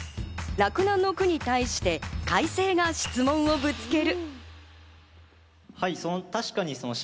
洛南の句に対して開成が質問をぶつける。